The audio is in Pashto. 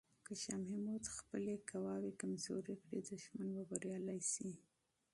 که شاه محمود خپلې قواوې کمزوري کړي، دښمن به بریالی شي.